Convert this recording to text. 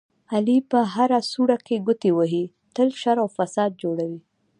علي په هره سوړه کې ګوتې وهي، تل شر او فساد جوړوي.